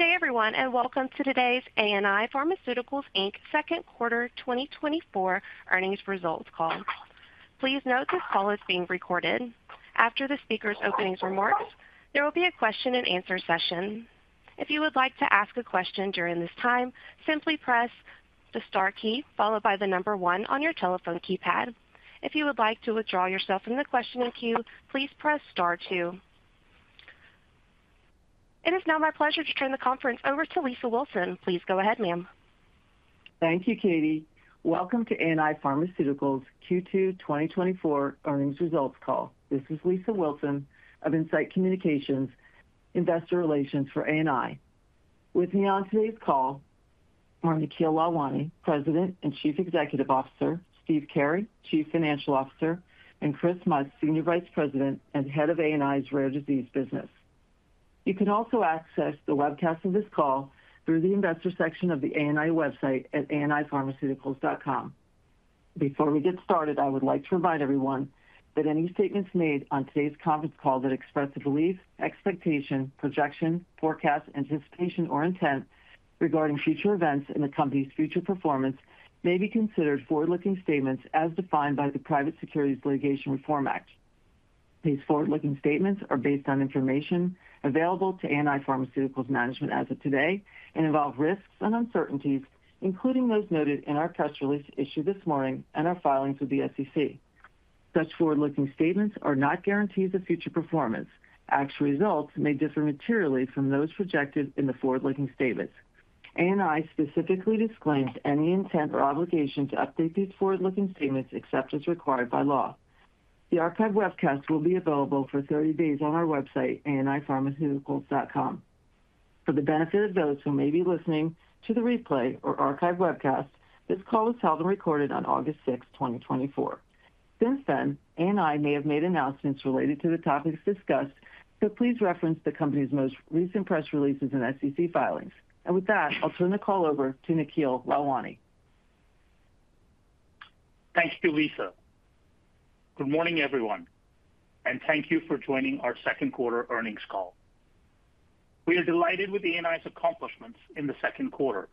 Good day, everyone, and welcome to today's ANI Pharmaceuticals Inc. second quarter 2024 earnings results call. Please note this call is being recorded. After the speaker's opening remarks, there will be a question-and-answer session. If you would like to ask a question during this time, simply press the star key, followed by the number 1 on your telephone keypad. If you would like to withdraw yourself from the questioning queue, please press star 2. It is now my pleasure to turn the conference over to Lisa Wilson. Please go ahead, ma'am. Thank you, Katie. Welcome to ANI Pharmaceuticals Q2 2024 earnings results call. This is Lisa Wilson of In-Site Communications, investor relations for ANI. With me on today's call are Nikhil Lalwani, President and Chief Executive Officer, Steve Carey, Chief Financial Officer, and Chris Mutz, Senior Vice President and Head of ANI's Rare Disease Business. You can also access the webcast of this call through the investor section of the ANI website at anipharmaceuticals.com. Before we get started, I would like to remind everyone that any statements made on today's conference call that express a belief, expectation, projection, forecast, anticipation, or intent regarding future events and the company's future performance may be considered forward-looking statements as defined by the Private Securities Litigation Reform Act. These forward-looking statements are based on information available to ANI Pharmaceuticals management as of today and involve risks and uncertainties, including those noted in our press release issued this morning and our filings with the SEC. Such forward-looking statements are not guarantees of future performance. Actual results may differ materially from those projected in the forward-looking statements. ANI specifically disclaims any intent or obligation to update these forward-looking statements except as required by law. The archive webcast will be available for 30 days on our website, anipharmaceuticals.com. For the benefit of those who may be listening to the replay or archive webcast, this call was held and recorded on August sixth, 2024. Since then, ANI may have made announcements related to the topics discussed, so please reference the company's most recent press releases and SEC filings. And with that, I'll turn the call over to Nikhil Lalwani. Thanks, Lisa. Good morning, everyone, and thank you for joining our second quarter earnings call. We are delighted with ANI's accomplishments in the second quarter.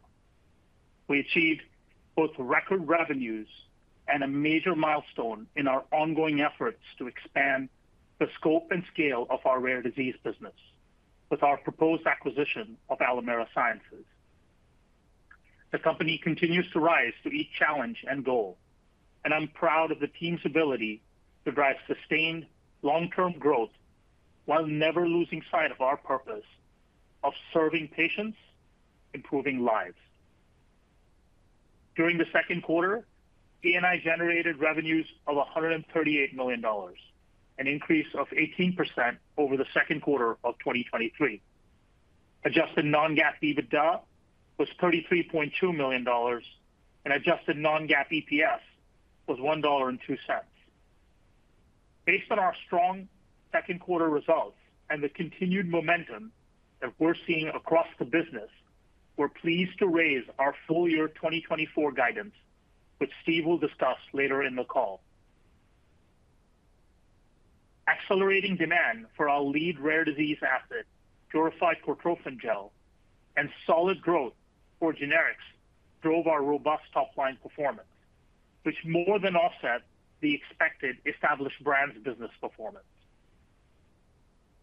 We achieved both record revenues and a major milestone in our ongoing efforts to expand the scope and scale of our rare disease business with our proposed acquisition of Alimera Sciences. The company continues to rise to each challenge and goal, and I'm proud of the team's ability to drive sustained long-term growth while never losing sight of our purpose of serving patients, improving lives. During the second quarter, ANI generated revenues of $138 million, an increase of 18% over the second quarter of 2023. Adjusted non-GAAP EBITDA was $33.2 million, and adjusted non-GAAP EPS was $1.02. Based on our strong second quarter results and the continued momentum that we're seeing across the business, we're pleased to raise our full year 2024 guidance, which Steve will discuss later in the call. Accelerating demand for our lead rare disease asset, Purified Cortrophin Gel, and solid growth for generics drove our robust top-line performance, which more than offset the expected established brands business performance.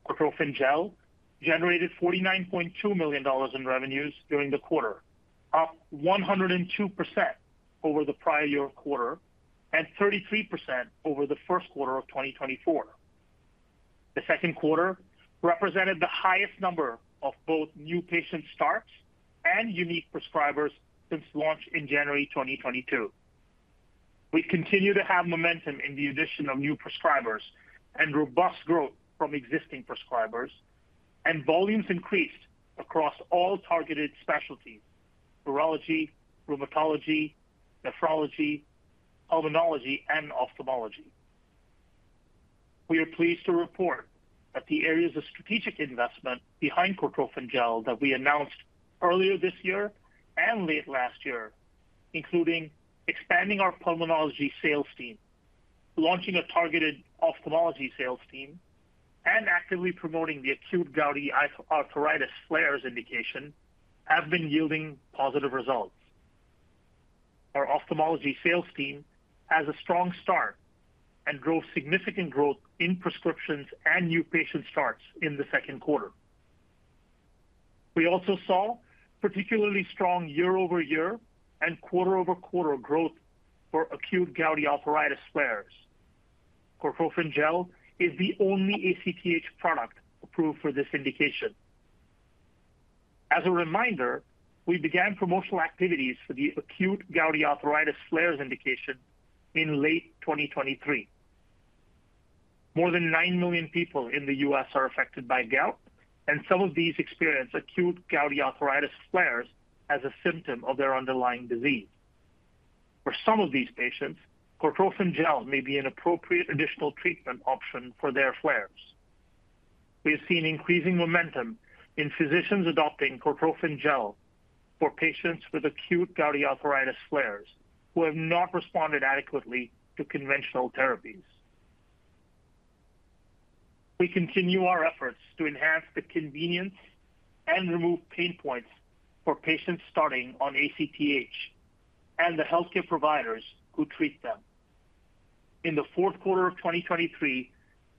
Cortrophin Gel generated $49.2 million in revenues during the quarter, up 102% over the prior year quarter and 33% over the first quarter of 2024. The second quarter represented the highest number of both new patient starts and unique prescribers since launch in January 2022. We continue to have momentum in the addition of new prescribers and robust growth from existing prescribers, and volumes increased across all targeted specialties, neurology, rheumatology, nephrology, pulmonology, and ophthalmology. We are pleased to report that the areas of strategic investment behind Cortrophin Gel that we announced earlier this year and late last year, including expanding our pulmonology sales team, launching a targeted ophthalmology sales team, and actively promoting the acute gouty arthritis flares indication, have been yielding positive results. Our ophthalmology sales team has a strong start and drove significant growth in prescriptions and new patient starts in the second quarter. We also saw particularly strong year-over-year and quarter-over-quarter growth for acute gouty arthritis flares. Cortrophin Gel is the only ACTH product approved for this indication. As a reminder, we began promotional activities for the acute gouty arthritis flares indication in late 2023. More than 9 million people in the U.S. are affected by gout, and some of these experience acute gouty arthritis flares as a symptom of their underlying disease. For some of these patients, Cortrophin Gel may be an appropriate additional treatment option for their flares. We have seen increasing momentum in physicians adopting Cortrophin Gel for patients with acute gouty arthritis flares who have not responded adequately to conventional therapies... We continue our efforts to enhance the convenience and remove pain points for patients starting on ACTH and the healthcare providers who treat them. In the fourth quarter of 2023,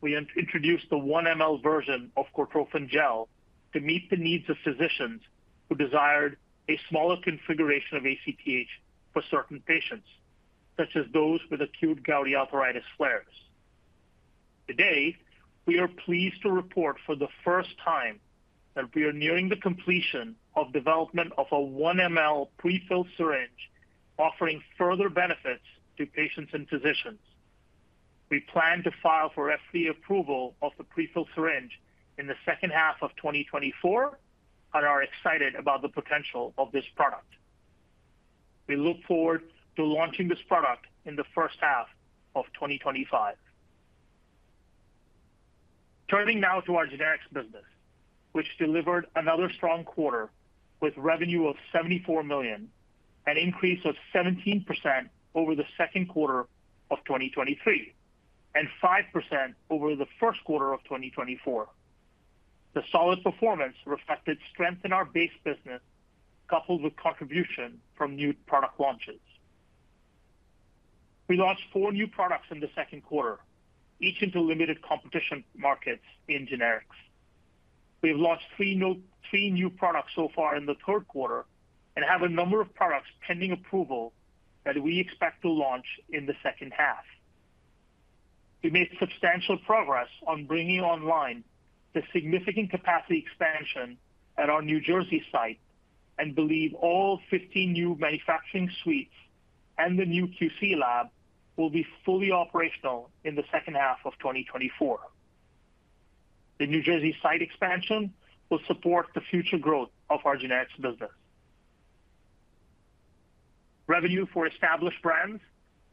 we introduced the 1 mL version of Cortrophin Gel to meet the needs of physicians who desired a smaller configuration of ACTH for certain patients, such as those with acute gouty arthritis flares. Today, we are pleased to report for the first time that we are nearing the completion of development of a 1 mL prefilled syringe, offering further benefits to patients and physicians. We plan to file for FDA approval of the prefilled syringe in the second half of 2024 and are excited about the potential of this product. We look forward to launching this product in the first half of 2025. Turning now to our generics business, which delivered another strong quarter with revenue of $74 million, an increase of 17% over the second quarter of 2023, and 5% over the first quarter of 2024. The solid performance reflected strength in our base business, coupled with contribution from new product launches. We launched four new products in the second quarter, each into limited competition markets in generics. We've launched 3 new products so far in the third quarter and have a number of products pending approval that we expect to launch in the second half. We made substantial progress on bringing online the significant capacity expansion at our New Jersey site and believe all 15 new manufacturing suites and the new QC lab will be fully operational in the second half of 2024. The New Jersey site expansion will support the future growth of our generics business. Revenue for established brands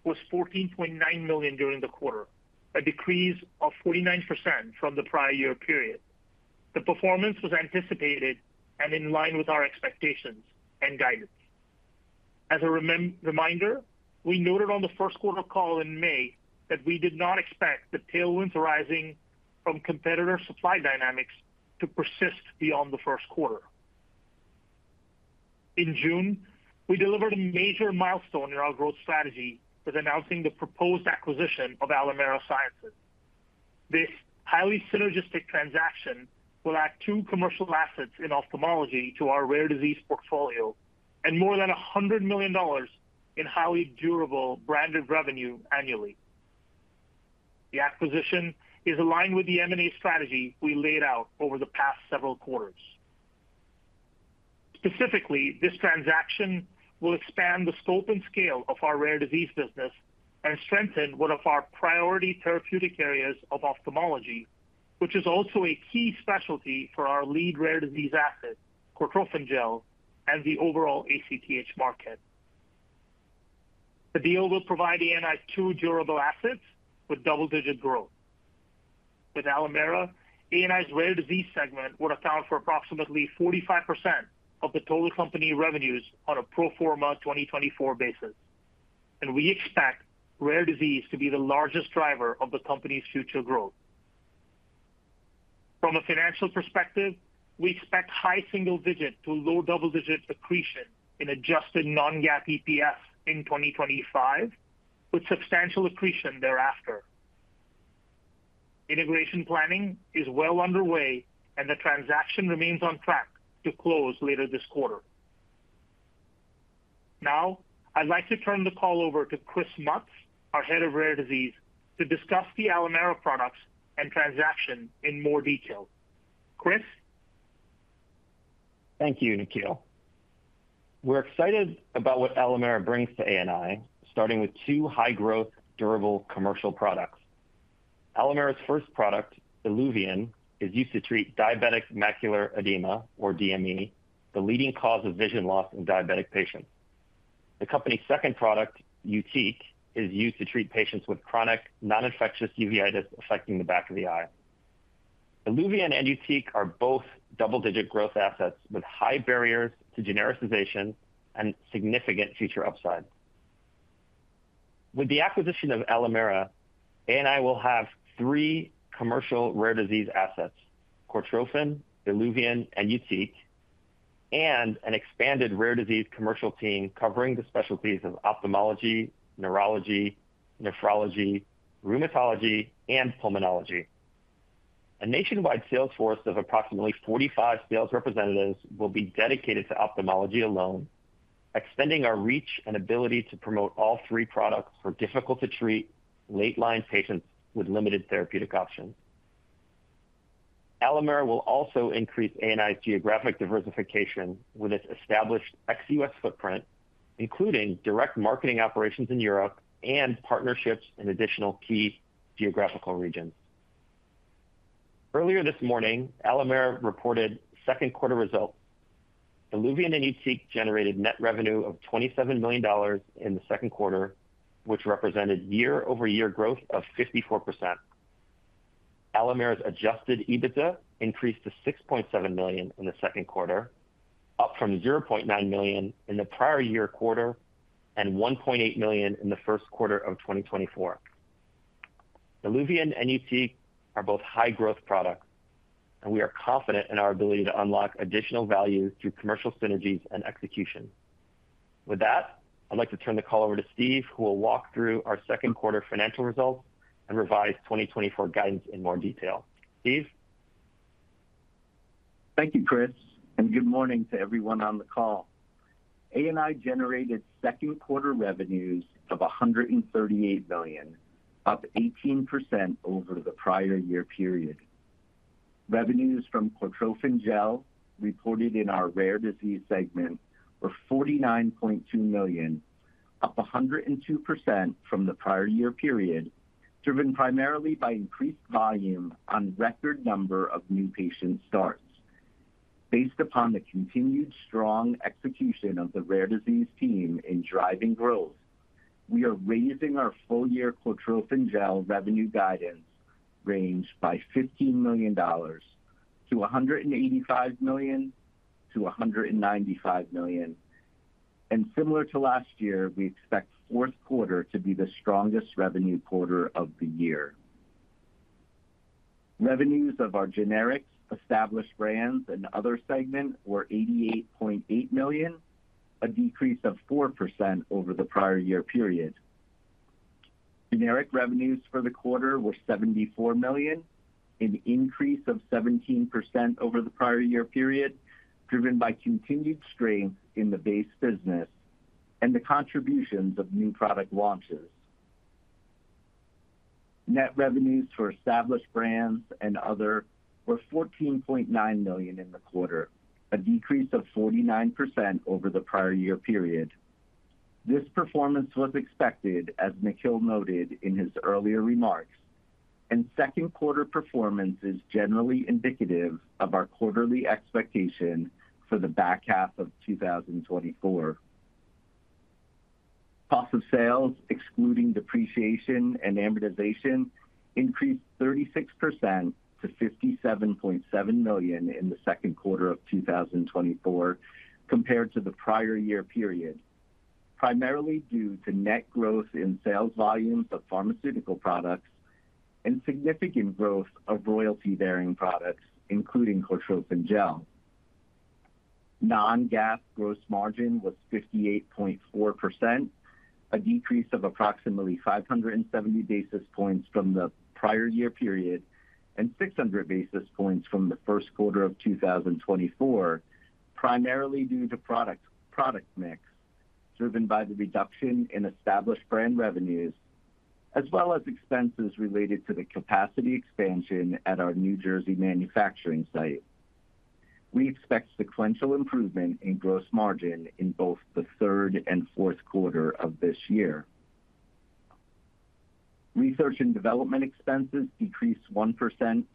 was $14.9 million during the quarter, a decrease of 49% from the prior year period. The performance was anticipated and in line with our expectations and guidance. As a reminder, we noted on the first quarter call in May that we did not expect the tailwinds arising from competitor supply dynamics to persist beyond the first quarter. In June, we delivered a major milestone in our growth strategy with announcing the proposed acquisition of Alimera Sciences. This highly synergistic transaction will add two commercial assets in ophthalmology to our rare disease portfolio and more than $100 million in highly durable branded revenue annually. The acquisition is aligned with the M&A strategy we laid out over the past several quarters. Specifically, this transaction will expand the scope and scale of our rare disease business and strengthen one of our priority therapeutic areas of ophthalmology, which is also a key specialty for our lead rare disease asset, Cortrophin Gel, and the overall ACTH market. The deal will provide ANI two durable assets with double-digit growth. With Alimera, ANI's rare disease segment would account for approximately 45% of the total company revenues on a pro forma 2024 basis, and we expect rare disease to be the largest driver of the company's future growth. From a financial perspective, we expect high single digit to low double-digit accretion in adjusted non-GAAP EPS in 2025, with substantial accretion thereafter. Integration planning is well underway, and the transaction remains on track to close later this quarter. Now, I'd like to turn the call over to Chris Mutz, our head of rare disease, to discuss the Alimera products and transaction in more detail. Chris? Thank you, Nikhil. We're excited about what Alimera brings to ANI, starting with two high-growth, durable commercial products. Alimera's first product, ILUVIEN, is used to treat diabetic macular edema or DME, the leading cause of vision loss in diabetic patients. The company's second product, YUTIQ, is used to treat patients with chronic non-infectious uveitis affecting the back of the eye. ILUVIEN and YUTIQ are both double-digit growth assets with high barriers to genericization and significant future upside. With the acquisition of Alimera, ANI will have three commercial rare disease assets, Cortrophin, ILUVIEN and YUTIQ, and an expanded rare disease commercial team covering the specialties of ophthalmology, neurology, nephrology, rheumatology, and pulmonology. A nationwide sales force of approximately 45 sales representatives will be dedicated to ophthalmology alone, extending our reach and ability to promote all three products for difficult-to-treat late-line patients with limited therapeutic options. Alimera will also increase ANI's geographic diversification with its established ex-US footprint, including direct marketing operations in Europe and partnerships in additional key geographical regions. Earlier this morning, Alimera reported second quarter results. ILUVIEN and YUTIQ generated net revenue of $27 million in the second quarter, which represented year-over-year growth of 54%. Alimera's adjusted EBITDA increased to $6.7 million in the second quarter, up from $0.9 million in the prior year quarter and $1.8 million in the first quarter of 2024. ILUVIEN and YUTIQ are both high-growth products, and we are confident in our ability to unlock additional value through commercial synergies and execution. With that, I'd like to turn the call over to Steve, who will walk through our second quarter financial results and revised 2024 guidance in more detail. Steve? Thank you, Chris, and good morning to everyone on the call. ANI generated second quarter revenues of $138 million, up 18% over the prior year period. Revenues from Cortrophin Gel reported in our Rare Disease segment were $49.2 million, up 102% from the prior year period, driven primarily by increased volume on record number of new patient starts. Based upon the continued strong execution of the Rare Disease team in driving growth, we are raising our full-year Cortrophin Gel revenue guidance range by $15 million to $185 million-$195 million. Similar to last year, we expect fourth quarter to be the strongest revenue quarter of the year. Revenues of our generics, established brands, and other segment were $88.8 million, a 4% decrease over the prior year period. Generic revenues for the quarter were $74 million, an increase of 17% over the prior year period, driven by continued strength in the base business and the contributions of new product launches. Net revenues for established brands and other were $14.9 million in the quarter, a decrease of 49% over the prior year period. This performance was expected, as Nikhil noted in his earlier remarks, and second quarter performance is generally indicative of our quarterly expectation for the back half of 2024. Cost of sales, excluding depreciation and amortization, increased 36% to $57.7 million in the second quarter of 2024 compared to the prior year period, primarily due to net growth in sales volumes of pharmaceutical products and significant growth of royalty-bearing products, including Cortrophin Gel. Non-GAAP gross margin was 58.4%, a decrease of approximately 570 basis points from the prior year period and 600 basis points from the first quarter of 2024, primarily due to product mix, driven by the reduction in established brand revenues, as well as expenses related to the capacity expansion at our New Jersey manufacturing site. We expect sequential improvement in gross margin in both the third and fourth quarter of this year. Research and development expenses decreased 1%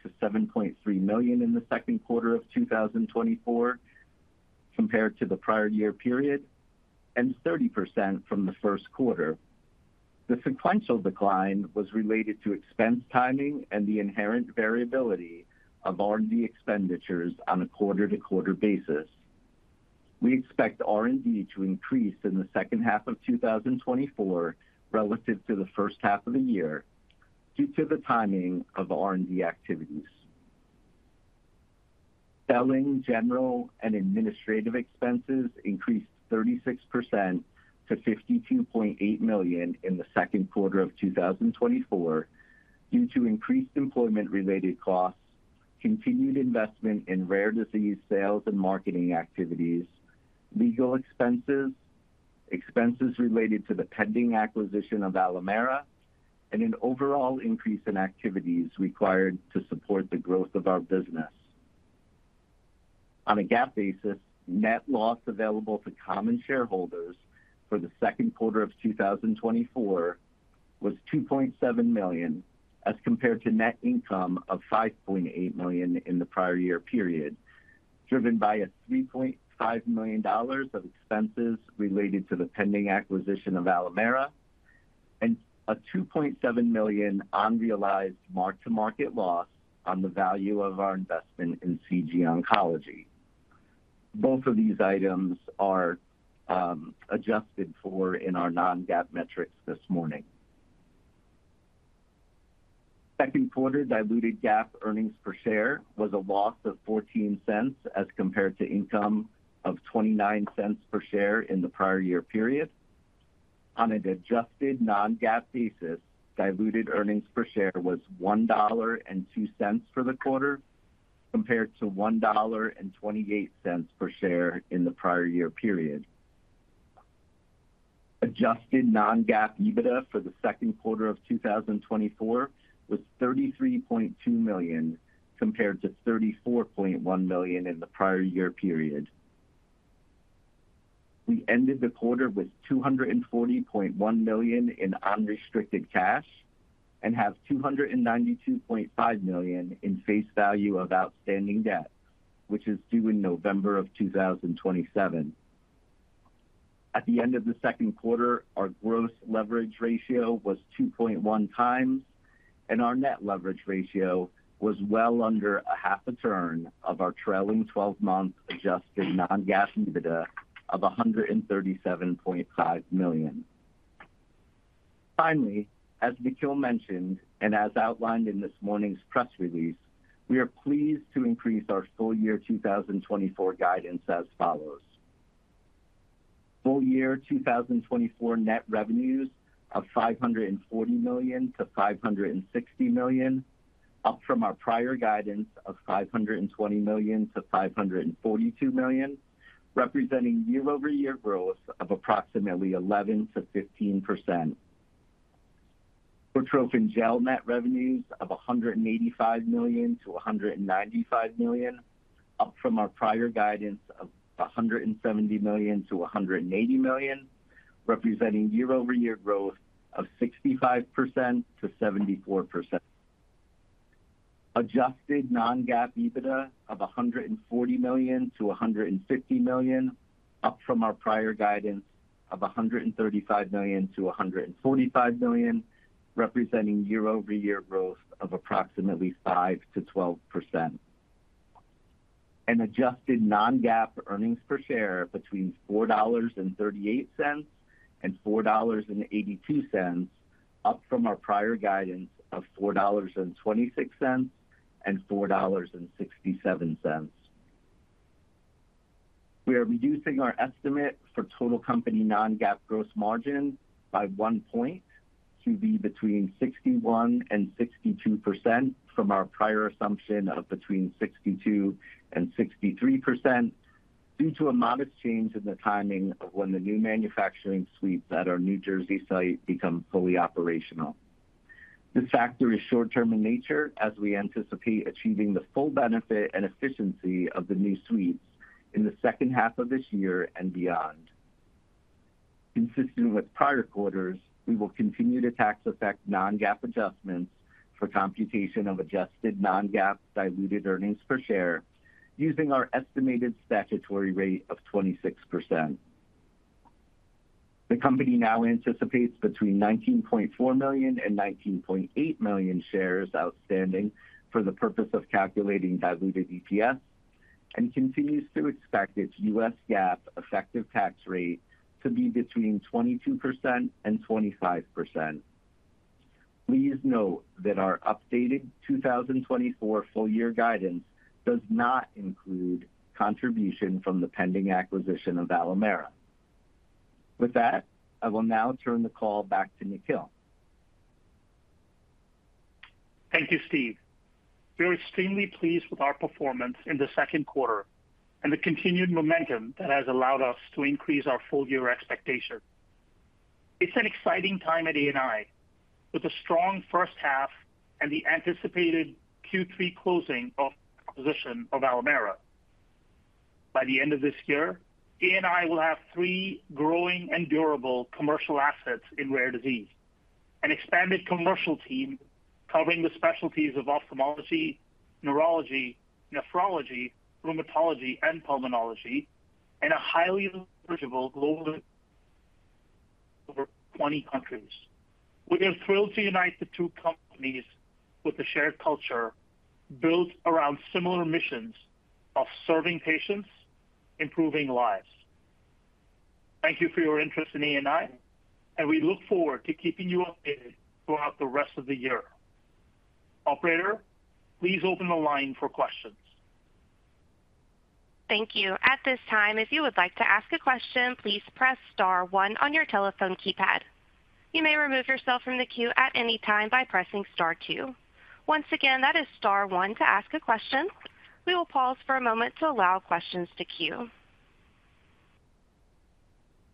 to $7.3 million in the second quarter of 2024 compared to the prior year period, and 30% from the first quarter. The sequential decline was related to expense timing and the inherent variability of R&D expenditures on a quarter-to-quarter basis. We expect R&D to increase in the second half of 2024 relative to the first half of the year, due to the timing of R&D activities. Selling, general, and administrative expenses increased 36% to $52.8 million in the second quarter of 2024 due to increased employment-related costs, continued investment in rare disease sales and marketing activities, legal expenses, expenses related to the pending acquisition of Alimera, and an overall increase in activities required to support the growth of our business. On a GAAP basis, net loss available to common shareholders for the second quarter of 2024 was $2.7 million, as compared to net income of $5.8 million in the prior year period, driven by $3.5 million of expenses related to the pending acquisition of Alimera and a $2.7 million unrealized mark-to-market loss on the value of our investment in CG Oncology. Both of these items are adjusted for in our non-GAAP metrics this morning. Second quarter diluted GAAP earnings per share was a loss of $0.14, as compared to income of $0.29 per share in the prior year period. On an adjusted non-GAAP basis, diluted earnings per share was $1.02 for the quarter, compared to $1.28 per share in the prior year period. Adjusted non-GAAP EBITDA for the second quarter of 2024 was $33.2 million, compared to $34.1 million in the prior year period. We ended the quarter with $240.1 million in unrestricted cash and have $292.5 million in face value of outstanding debt, which is due in November of 2027. At the end of the second quarter, our gross leverage ratio was 2.1 times, and our net leverage ratio was well under 0.5 turn of our trailing twelve-month adjusted non-GAAP EBITDA of $137.5 million. Finally, as Nikhil mentioned, and as outlined in this morning's press release, we are pleased to increase our full year 2024 guidance as follows: full year 2024 net revenues of $540 million-$560 million, up from our prior guidance of $520 million-$542 million, representing year-over-year growth of approximately 11%-15%. Cortrophin Gel net revenues of $185 million-$195 million, up from our prior guidance of $170 million-$180 million, representing year-over-year growth of 65%-74%. Adjusted non-GAAP EBITDA of $140 million-$150 million, up from our prior guidance of $135 million-$145 million, representing year-over-year growth of approximately 5%-12%. Adjusted non-GAAP earnings per share between $4.38 and $4.82, up from our prior guidance of $4.26 and $4.67. We are reducing our estimate for total company non-GAAP gross margin by 1 point to be between 61%-62% from our prior assumption of between 62%-63%, due to a modest change in the timing of when the new manufacturing suites at our New Jersey site become fully operational. This factor is short-term in nature, as we anticipate achieving the full benefit and efficiency of the new suites in the second half of this year and beyond. Consistent with prior quarters, we will continue to tax effect non-GAAP adjustments for computation of adjusted non-GAAP diluted earnings per share using our estimated statutory rate of 26%. The company now anticipates between 19.4 million and 19.8 million shares outstanding for the purpose of calculating diluted EPS and continues to expect its US GAAP effective tax rate to be between 22% and 25%. Please note that our updated 2024 full year guidance does not include contribution from the pending acquisition of Alimera. With that, I will now turn the call back to Nikhil. Thank you, Steve. We are extremely pleased with our performance in the second quarter and the continued momentum that has allowed us to increase our full-year expectation. It's an exciting time at ANI, with a strong first half and the anticipated Q3 closing of the acquisition of Alimera. By the end of this year, ANI will have three growing and durable commercial assets in rare disease, an expanded commercial team covering the specialties of ophthalmology, neurology, nephrology, rheumatology, and pulmonology, and a highly leverageable global footprint over 20 countries. We are thrilled to unite the two companies with a shared culture built around similar missions of serving patients, improving lives. Thank you for your interest in ANI, and we look forward to keeping you updated throughout the rest of the year. Operator, please open the line for questions. Thank you. At this time, if you would like to ask a question, please press star one on your telephone keypad. You may remove yourself from the queue at any time by pressing star two. Once again, that is star one to ask a question. We will pause for a moment to allow questions to queue.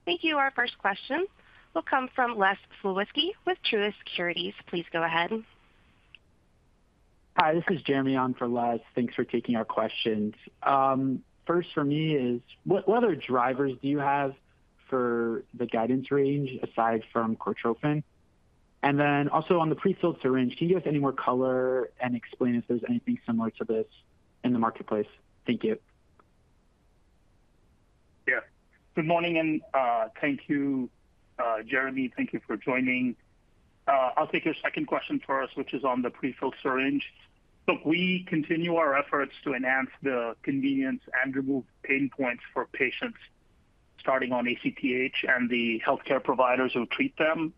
Thank you. Our first question will come from Les Sulewski with Truist Securities. Please go ahead. Hi, this is Jeremy on for Les. Thanks for taking our questions. First for me is, what other drivers do you have for the guidance range aside from Cortrophin? And then also on the prefilled syringe, can you give us any more color and explain if there's anything similar to this in the marketplace? Thank you. Yeah. Good morning, and thank you, Jeremy. Thank you for joining. I'll take your second question first, which is on the prefilled syringe. Look, we continue our efforts to enhance the convenience and remove pain points for patients starting on ACTH and the healthcare providers who treat them.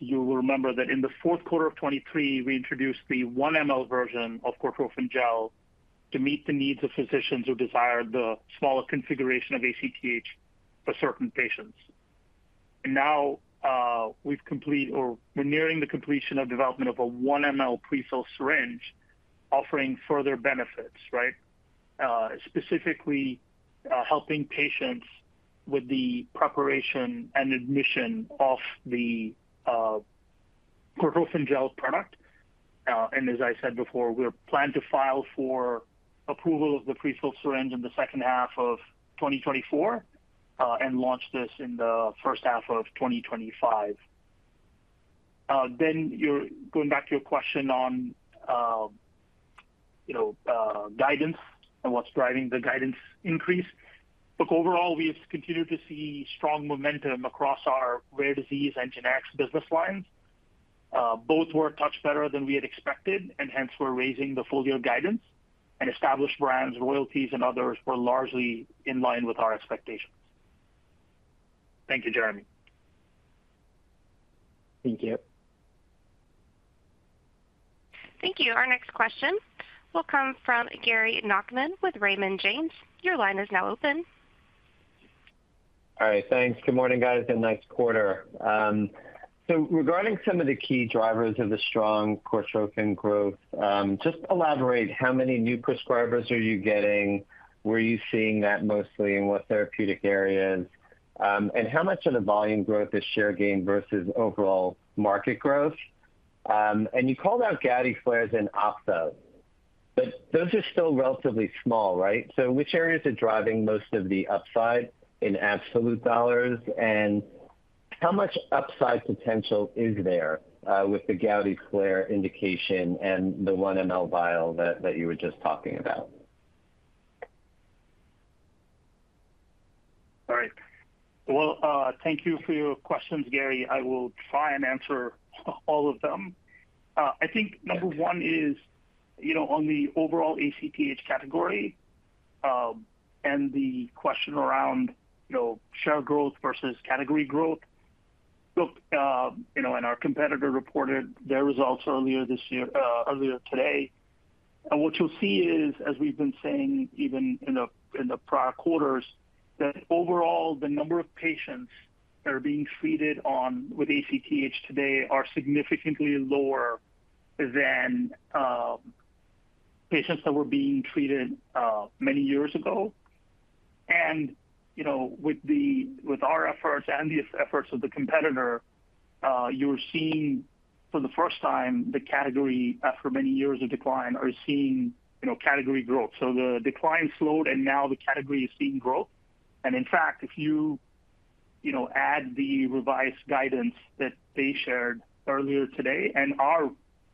You will remember that in the fourth quarter of 2023, we introduced the 1 mL version of Cortrophin Gel to meet the needs of physicians who desired the smaller configuration of ACTH for certain patients. Now, we've completed or we're nearing the completion of development of a 1 mL prefilled syringe, offering further benefits, right? Specifically, helping patients with the preparation and administration of the Cortrophin Gel product. As I said before, we plan to file for approval of the prefilled syringe in the second half of 2024, and launch this in the first half of 2025. Then you're going back to your question on, you know, guidance and what's driving the guidance increase. Look, overall, we've continued to see strong momentum across our rare disease and generics business lines. Both were a touch better than we had expected, and hence, we're raising the full year guidance, and established brands, royalties, and others were largely in line with our expectations. Thank you, Jeremy. Thank you. Thank you. Our next question will come from Gary Nachman with Raymond James. Your line is now open. All right. Thanks. Good morning, guys, and nice quarter. So regarding some of the key drivers of the strong Cortrophin growth, just elaborate how many new prescribers are you getting? Where are you seeing that mostly, and what therapeutic areas? And how much of the volume growth is share gain versus overall market growth? And you called out gouty flares and ops, but those are still relatively small, right? So which areas are driving most of the upside in absolute dollars, and how much upside potential is there, with the gouty flare indication and the 1 mL vial that you were just talking about? All right. Well, thank you for your questions, Gary. I will try and answer all of them. I think number one is, you know, on the overall ACTH category, and the question around, you know, share growth versus category growth. Look, you know, and our competitor reported their results earlier this year, earlier today. And what you'll see is, as we've been saying, even in the prior quarters, that overall, the number of patients that are being treated with ACTH today are significantly lower than, patients that were being treated, many years ago. And, you know, with our efforts and the efforts of the competitor, you're seeing for the first time, the category, after many years of decline, are seeing, you know, category growth. So the decline slowed, and now the category is seeing growth. And in fact, if you, you know, add the revised guidance that they shared earlier today and our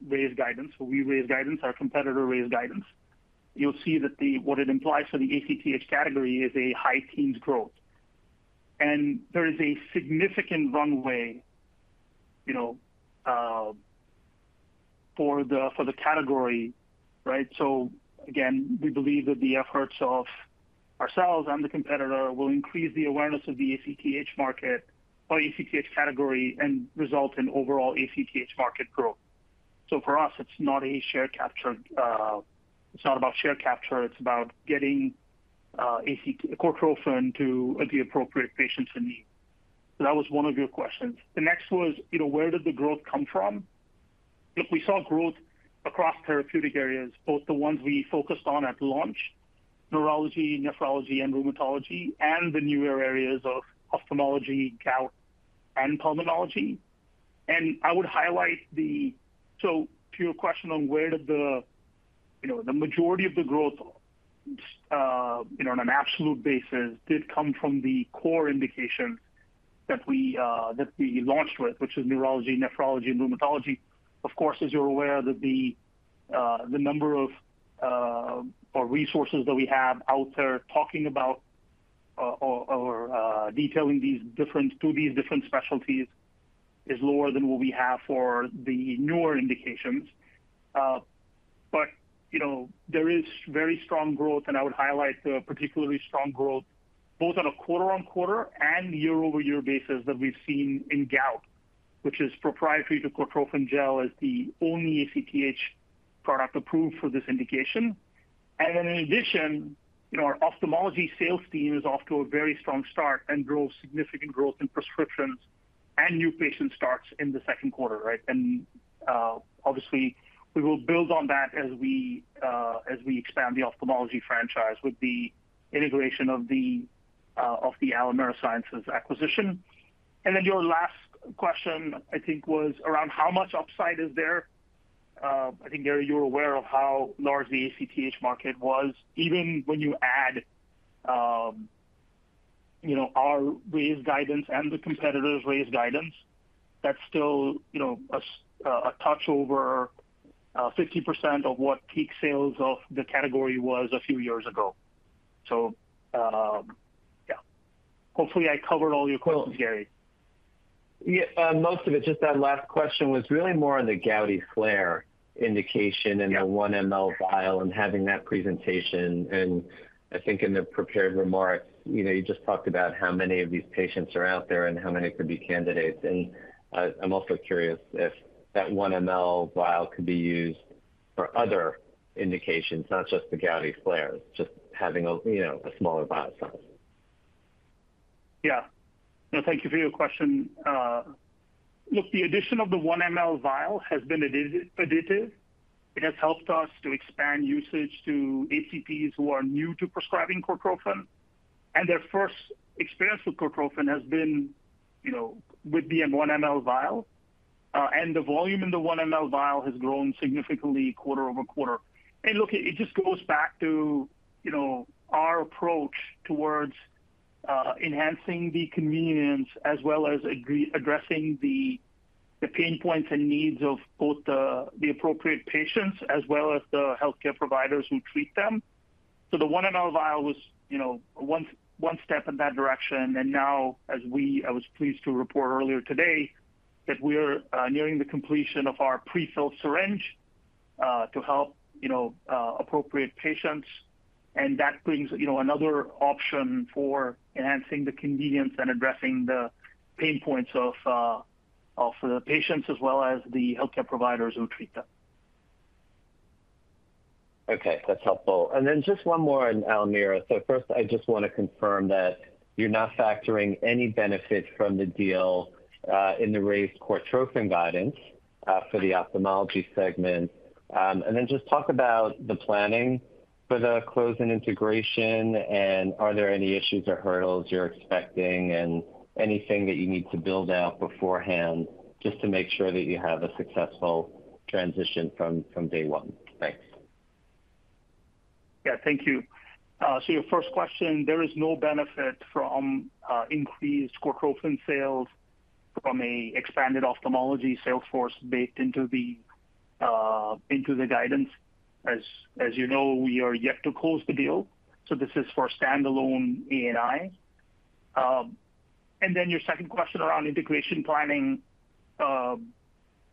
raised guidance, so we raised guidance, our competitor raised guidance, you'll see that the what it implies for the ACTH category is a high teens growth. And there is a significant runway, you know, for the category, right? So again, we believe that the efforts of ourselves and the competitor will increase the awareness of the ACTH market or ACTH category and result in overall ACTH market growth. So for us, it's not a share capture, it's not about share capture, it's about getting Cortrophin to the appropriate patients in need. So that was one of your questions. The next was, you know, where did the growth come from? Look, we saw growth across therapeutic areas, both the ones we focused on at launch, neurology, nephrology, and rheumatology, and the newer areas of ophthalmology, gout, and pulmonology. And I would highlight so to your question on where did the, you know, the majority of the growth, you know, on an absolute basis, did come from the core indication that we, that we launched with, which is neurology, nephrology, and rheumatology. Of course, as you're aware, the number of resources that we have out there talking about or detailing these different specialties is lower than what we have for the newer indications. But, you know, there is very strong growth, and I would highlight the particularly strong growth both on a quarter-over-quarter and year-over-year basis that we've seen in gout, which is proprietary to Cortrophin Gel as the only ACTH product approved for this indication. And then in addition, you know, our ophthalmology sales team is off to a very strong start and drove significant growth in prescriptions and new patient starts in the second quarter, right? And, obviously, we will build on that as we, as we expand the ophthalmology franchise with the integration of the, of the Alimera Sciences acquisition. And then your last question, I think, was around how much upside is there? I think, Gary, you're aware of how large the ACTH market was. Even when you add, you know, our raised guidance and the competitor's raised guidance, that's still, you know, a touch over 50% of what peak sales of the category was a few years ago. So, yeah. Hopefully, I covered all your questions, Gary. Yeah, most of it, just that last question was really more on the gouty flare indication- Yeah... and the 1 mL vial and having that presentation. I think in the prepared remarks, you know, you just talked about how many of these patients are out there and how many could be candidates. I'm also curious if that 1 mL vial could be used for other indications, not just the gouty flares, just having a, you know, a smaller vial size. Yeah. No, thank you for your question. Look, the addition of the 1 mL vial has been additive. It has helped us to expand usage to HCPs who are new to prescribing Cortrophin, and their first experience with Cortrophin has been, you know, with the 1 mL vial. And the volume in the 1 mL vial has grown significantly quarter-over-quarter. And look, it just goes back to, you know, our approach towards enhancing the convenience as well as addressing the pain points and needs of both the appropriate patients as well as the healthcare providers who treat them. So the 1 mL vial was, you know, one step in that direction. And now, I was pleased to report earlier today, that we are nearing the completion of our prefill syringe to help, you know, appropriate patients. And that brings, you know, another option for enhancing the convenience and addressing the pain points of the patients as well as the healthcare providers who treat them. Okay, that's helpful. And then just one more on Alimera. So first, I just want to confirm that you're not factoring any benefit from the deal in the raised Cortrophin guidance for the ophthalmology segment. And then just talk about the planning for the close and integration, and are there any issues or hurdles you're expecting, and anything that you need to build out beforehand, just to make sure that you have a successful transition from, from day one? Thanks. Yeah, thank you. So your first question, there is no benefit from increased Cortrophin sales from an expanded ophthalmology sales force baked into the guidance. As you know, we are yet to close the deal, so this is for standalone ANI. And then your second question around integration planning.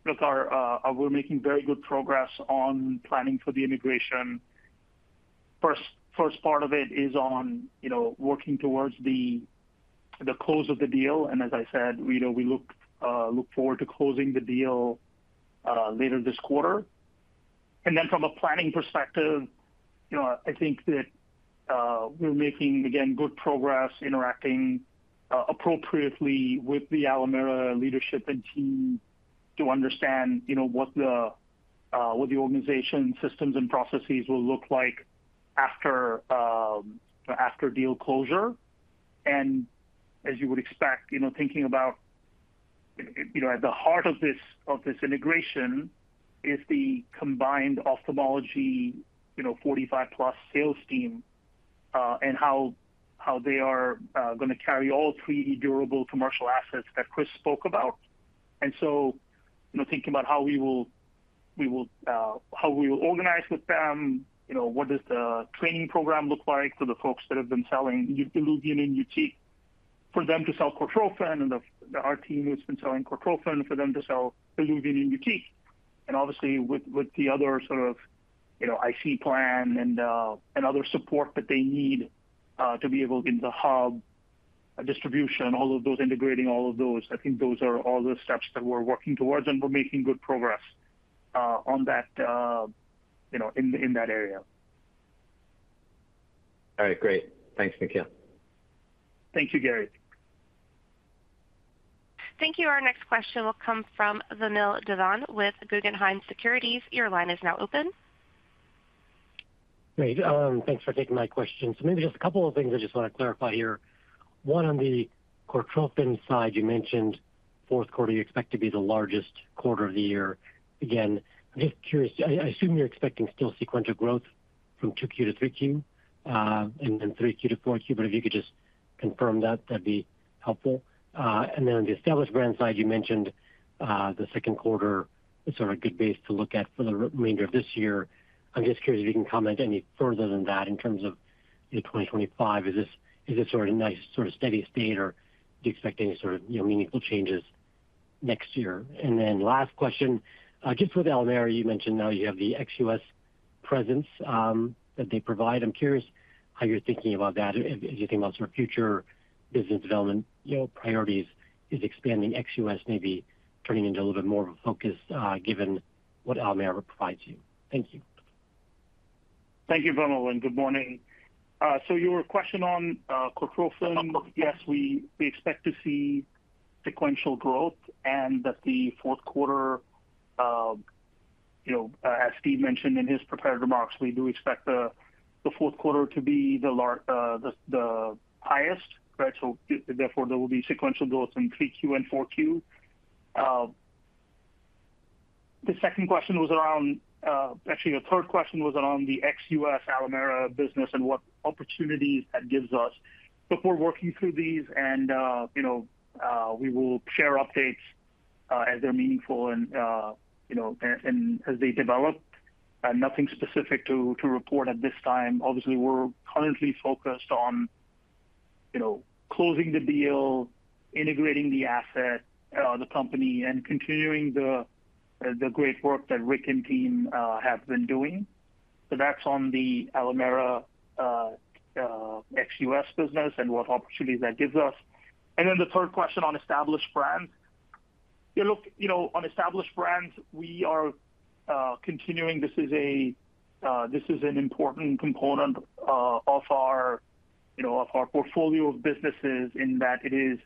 Look, we're making very good progress on planning for the integration. First part of it is on, you know, working towards the close of the deal, and as I said, you know, we look forward to closing the deal later this quarter. And then from a planning perspective, you know, I think that, we're making, again, good progress interacting, appropriately with the Alimera leadership and team to understand, you know, what the, what the organization systems and processes will look like after, after deal closure. And as you would expect, you know, thinking about, you know, at the heart of this, of this integration is the combined ophthalmology, you know, 45+ sales team, and how, how they are, going to carry all three durable commercial assets that Chris spoke about. So, you know, thinking about how we will organize with them, you know, what does the training program look like for the folks that have been selling ILUVIEN and YUTIQ for them to sell Cortrophin and the, our team who's been selling Cortrophin for them to sell ILUVIEN and YUTIQ? And obviously, with the other sort of, you know, IC plan and other support that they need to be able in the hub, distribution, all of those integrating, all of those. I think those are all the steps that we're working towards, and we're making good progress on that, you know, in that area. All right, great. Thanks, Nikhil. Thank you, Gary. Thank you. Our next question will come from Vamil Divan with Guggenheim Securities. Your line is now open. Great. Thanks for taking my question. So maybe just a couple of things I just want to clarify here. One, on the Cortrophin side, you mentioned fourth quarter, you expect to be the largest quarter of the year. Again, just curious, I assume you're expecting still sequential growth from 2Q to 3Q, and then 3Q to 4Q, but if you could just confirm that, that'd be helpful. And then on the Established Brands side, you mentioned, the second quarter is sort of a good base to look at for the remainder of this year. I'm just curious if you can comment any further than that in terms of in 2025. Is this, is this sort of nice, sort of steady state, or do you expect any sort of, you know, meaningful changes next year? Last question, just for the Alimera. You mentioned now you have the ex-US presence that they provide. I'm curious how you're thinking about that. As you think about sort of future business development, you know, priorities, is expanding ex-US maybe turning into a little bit more of a focus, given what Alimera provides you? Thank you. Thank you, Vamil, and good morning. So your question on Cortrophin. Yes, we expect to see sequential growth and that the fourth quarter, you know, as Steve mentioned in his prepared remarks, we do expect the fourth quarter to be the largest, the highest, right? So therefore, there will be sequential growth from 3Q and 4Q. The second question was around, actually, the third question was around the ex-US Alimera business and what opportunities that gives us. Look, we're working through these and, you know, we will share updates as they're meaningful and, you know, and as they develop. Nothing specific to report at this time. Obviously, we're currently focused on, you know, closing the deal, integrating the asset, the company, and continuing the great work that Rick and team have been doing. So that's on the Alimera ex-US business and what opportunities that gives us. And then the third question on Established Brands. Yeah, look, you know, on Established Brands, we are continuing. This is an important component of our, you know, of our portfolio of businesses in that it is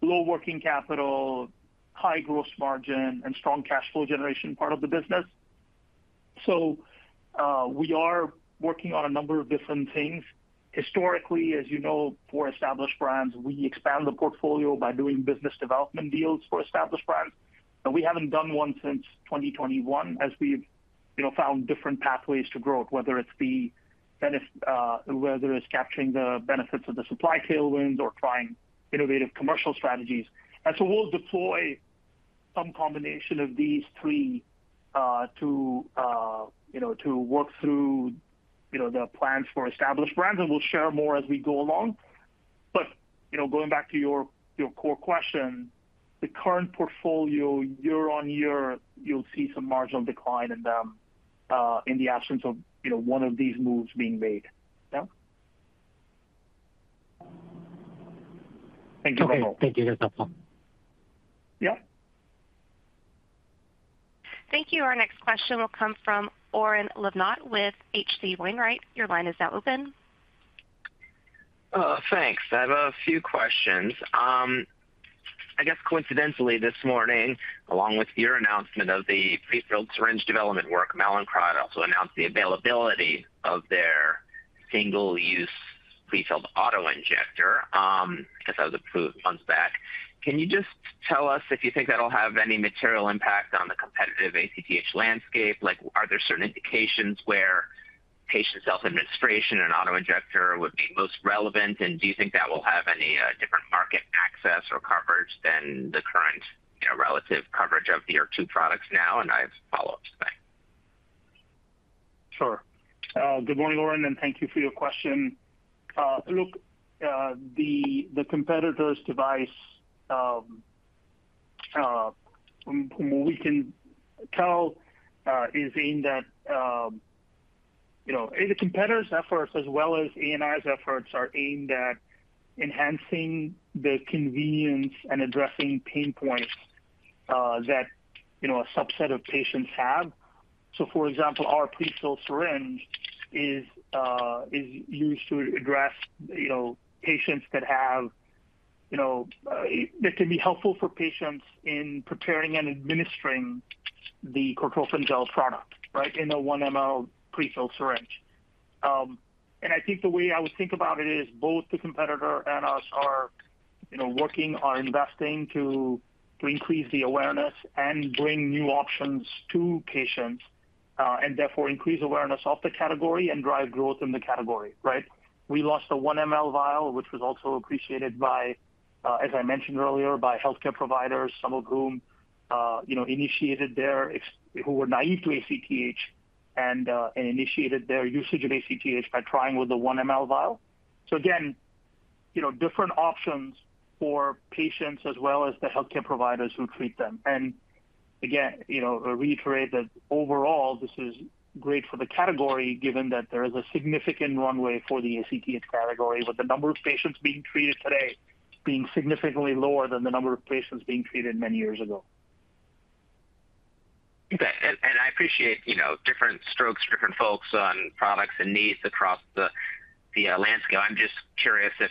low working capital, high gross margin, and strong cash flow generation part of the business. So, we are working on a number of different things. Historically, as you know, for Established Brands, we expand the portfolio by doing business development deals for Established Brands, and we haven't done one since 2021, as we've-... You know, found different pathways to growth, whether it's capturing the benefits of the supply tailwinds or trying innovative commercial strategies. And so we'll deploy some combination of these three to you know, to work through the plans for established brands, and we'll share more as we go along. But you know, going back to your core question, the current portfolio, year on year, you'll see some marginal decline in them in the absence of one of these moves being made. Yeah? Thank you. Okay. Thank you, Rituja. Yeah. Thank you. Our next question will come from Oren Livnat with H.C. Wainwright. Your line is now open. Thanks. I have a few questions. I guess coincidentally, this morning, along with your announcement of the prefilled syringe development work, Mallinckrodt also announced the availability of their single-use prefilled auto-injector, because that was approved months back. Can you just tell us if you think that'll have any material impact on the competitive ACTH landscape? Like, are there certain indications where patient self-administration and auto-injector would be most relevant, and do you think that will have any, different market access or coverage than the current, you know, relative coverage of your two products now? And I have follow-ups. Thanks. Sure. Good morning, Oren, and thank you for your question. Look, the competitor's device, from what we can tell, is aimed at, you know. The competitor's efforts as well as ANI's efforts are aimed at enhancing the convenience and addressing pain points, that, you know, a subset of patients have. So, for example, our prefilled syringe is used to address, you know, patients that have, you know, that can be helpful for patients in preparing and administering the Cortrophin Gel product, right, in a 1 mL prefilled syringe. And I think the way I would think about it is both the competitor and us are, you know, working on investing to increase the awareness and bring new options to patients, and therefore increase awareness of the category and drive growth in the category, right? We lost a 1 mL vial, which was also appreciated by, as I mentioned earlier, by healthcare providers, some of whom, you know, who were naive to ACTH and initiated their usage of ACTH by trying with the 1 mL vial. So again, you know, different options for patients as well as the healthcare providers who treat them. And again, you know, I reiterate that overall, this is great for the category, given that there is a significant runway for the ACTH category, with the number of patients being treated today being significantly lower than the number of patients being treated many years ago. Okay. I appreciate, you know, different strokes, different folks on products and needs across the landscape. I'm just curious if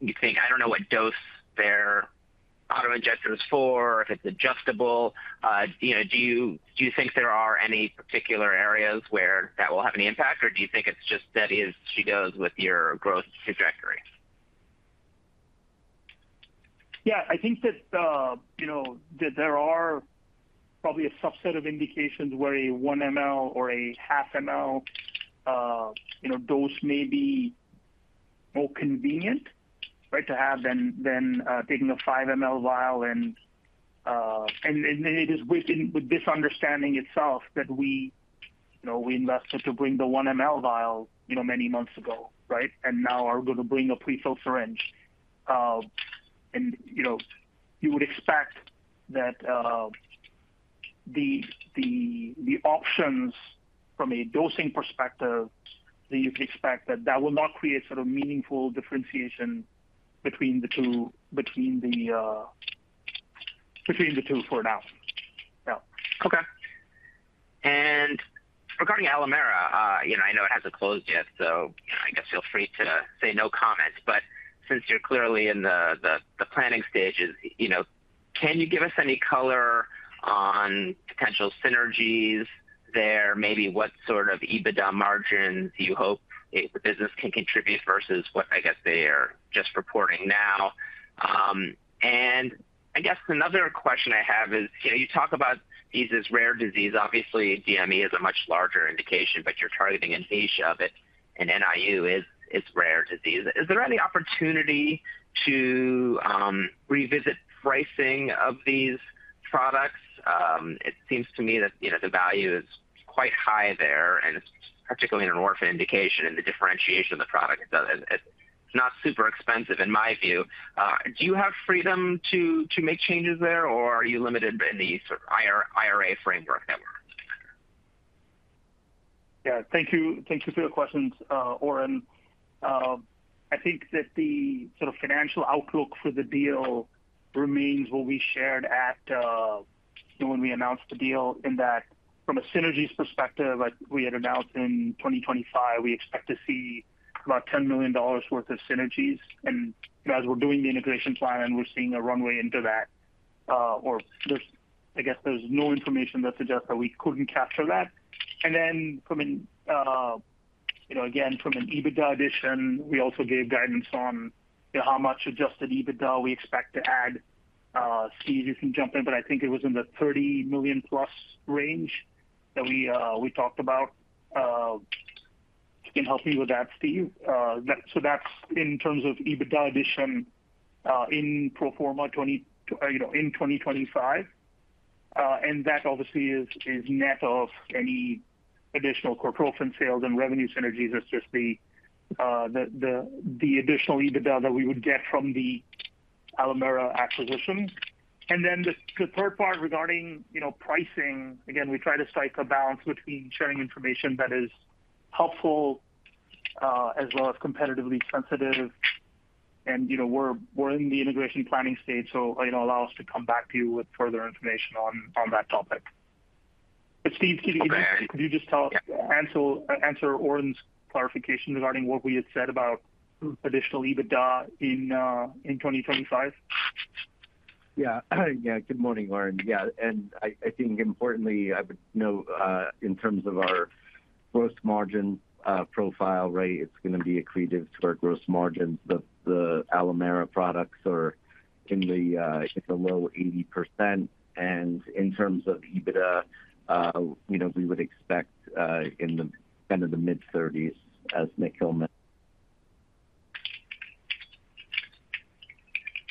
you think... I don't know what dose their auto-injector is for, if it's adjustable. You know, do you think there are any particular areas where that will have any impact, or do you think it's just steady as she goes with your growth trajectory? Yeah, I think that, you know, that there are probably a subset of indications where a 1 mL or a 0.5 ml, you know, dose may be more convenient, right, to have than taking a 5 ml vial. And then, it is with this understanding itself that we, you know, we invested to bring the 1 mL vial, you know, many months ago, right? And now are going to bring a prefilled syringe. And, you know, you would expect that, the options from a dosing perspective, you'd expect that that will not create sort of meaningful differentiation between the two, between the two for now. So... Okay. Regarding Alimera, you know, I know it hasn't closed yet, so, you know, I guess feel free to say no comment, but since you're clearly in the planning stages, you know, can you give us any color on potential synergies there? Maybe what sort of EBITDA margins you hope the business can contribute versus what I guess they are just reporting now. And I guess another question I have is, you know, you talk about these as rare disease. Obviously, DME is a much larger indication, but you're targeting a niche of it, and NIU is rare disease. Is there any opportunity to revisit pricing of these products? It seems to me that, you know, the value is quite high there, and it's particularly in an orphan indication, and the differentiation of the product is not super expensive in my view. Do you have freedom to make changes there, or are you limited in the sort of IR, IRA framework that works better? Yeah. Thank you. Thank you for your questions, Oren. I think that the sort of financial outlook for the deal remains what we shared at, when we announced the deal, in that from a synergies perspective, like we had announced in 2025, we expect to see about $10 million worth of synergies. And as we're doing the integration plan, we're seeing a runway into that, or there's—I guess there's no information that suggests that we couldn't capture that. And then from an, you know, again, from an EBITDA addition, we also gave guidance on, you know, how much adjusted EBITDA we expect to add. Steve, you can jump in, but I think it was in the $30 million-plus range that we, we talked about. You can help me with that, Steve. So that's in terms of EBITDA addition in pro forma 2025. And that obviously is net of any additional Cortrophin sales and revenue synergies. That's just the additional EBITDA that we would get from the Alimera acquisition. And then the third part regarding, you know, pricing, again, we try to strike a balance between sharing information that is helpful as well as competitively sensitive. And, you know, we're in the integration planning stage, so, you know, allow us to come back to you with further information on that topic. But Steve, could you just tell us answer Oren's clarification regarding what we had said about additional EBITDA in 2025? Yeah. Yeah, good morning, Oren. Yeah, and I think importantly, I would note, in terms of our gross margin profile, right, it's gonna be accretive to our gross margins. The Alimera products are in the, I think the low 80%. And in terms of EBITDA, you know, we would expect, in the end the mid-30s, as Nikhil mentioned.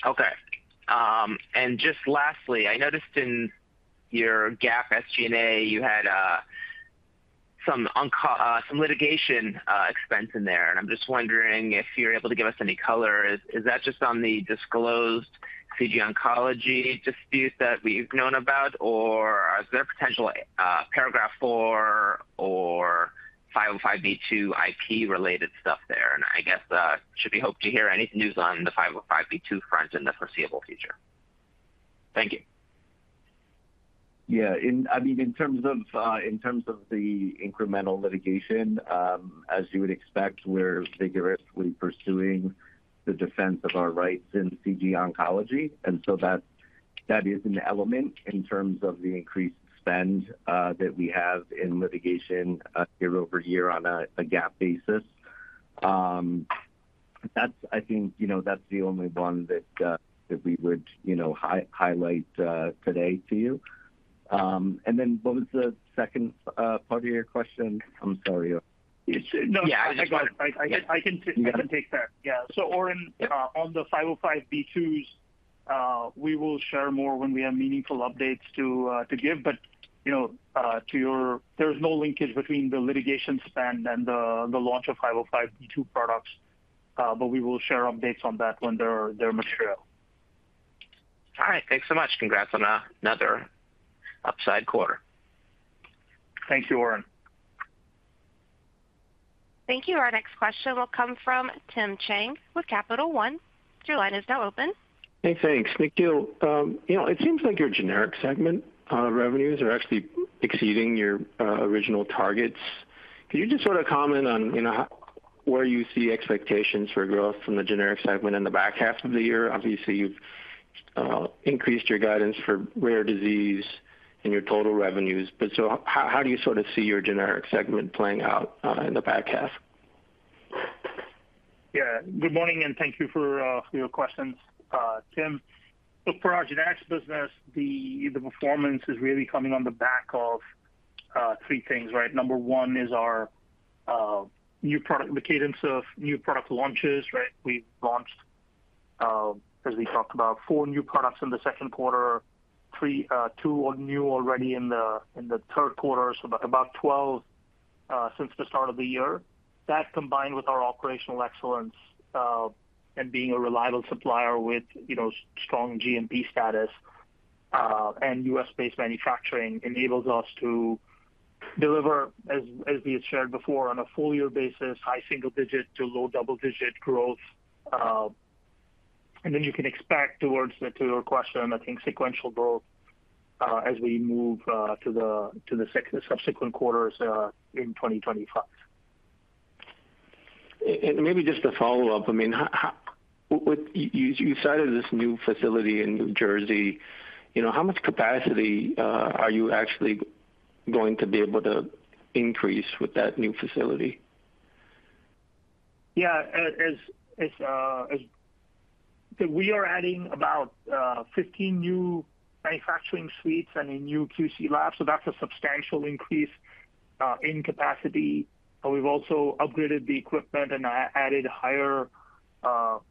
Okay. And just lastly, I noticed in your GAAP SG&A, you had some litigation expense in there, and I'm just wondering if you're able to give us any color. Is that just on the disclosed CG Oncology dispute that we've known about, or is there potential Paragraph IV or 505(b)(2) IP-related stuff there? And I guess, should we hope to hear any news on the 505(b)(2) front in the foreseeable future? Thank you. Yeah, in—I mean, in terms of, in terms of the incremental litigation, as you would expect, we're vigorously pursuing the defense of our rights in CG Oncology. And so that, that is an element in terms of the increased spend, that we have in litigation, year over year on a, a GAAP basis. That's—I think, you know, that's the only one that, that we would, you know, highlight, today to you. And then what was the second, part of your question? I'm sorry. Yeah, I just wanted- No, I got it. I can take that. Yeah. Yeah. So, Oren, on the 505(b)(2)s, we will share more when we have meaningful updates to, to give. But, you know, to your- there's no linkage between the litigation spend and the, the launch of 505(b)(2) products, but we will share updates on that when they're, they're material. All right. Thanks so much. Congrats on another upside quarter. Thank you, Oren. Thank you. Our next question will come from Tim Chiang with Capital One. Your line is now open. Hey, thanks. Nikhil, you know, it seems like your generic segment revenues are actually exceeding your original targets. Can you just sort of comment on, you know, where you see expectations for growth from the generic segment in the back half of the year? Obviously, you've increased your guidance for rare disease and your total revenues, but so how, how do you sort of see your generic segment playing out in the back half? Yeah, good morning, and thank you for your questions, Tim. Look, for our generics business, the performance is really coming on the back of three things, right? Number one is our new product, the cadence of new product launches, right? We've launched, as we talked about, four new products in the second quarter, three, two more already in the third quarter, so about 12 since the start of the year. That, combined with our operational excellence and being a reliable supplier with, you know, strong GMP status and U.S.-based manufacturing, enables us to deliver, as we had shared before, on a full year basis, high single-digit to low double-digit growth. And then you can expect towards the—to your question, I think, sequential growth as we move to the subsequent quarters in 2025. And maybe just a follow-up. I mean, how, with you cited this new facility in New Jersey. You know, how much capacity are you actually going to be able to increase with that new facility? Yeah, we are adding about 15 new manufacturing suites and a new QC lab, so that's a substantial increase in capacity. We've also upgraded the equipment and added higher,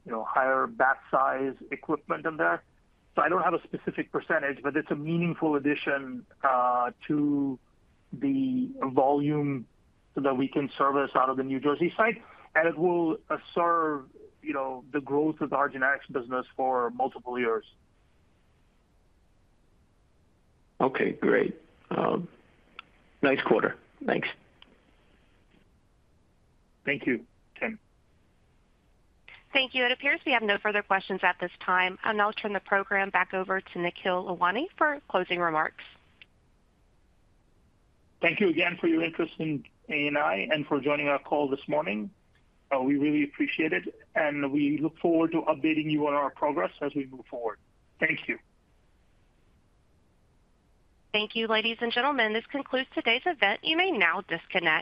you know, higher batch size equipment in there. So I don't have a specific percentage, but it's a meaningful addition to the volume so that we can service out of the New Jersey site, and it will serve, you know, the growth of the our generics business for multiple years. Okay, great. Nice quarter. Thanks. Thank you, Tim. Thank you. It appears we have no further questions at this time, and I'll turn the program back over to Nikhil Lalwani for closing remarks. Thank you again for your interest in ANI and for joining our call this morning. We really appreciate it, and we look forward to updating you on our progress as we move forward. Thank you. Thank you, ladies and gentlemen. This concludes today's event. You may now disconnect.